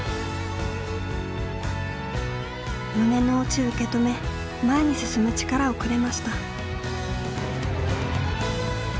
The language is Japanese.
胸の内を受け止め前に進む力をくれました。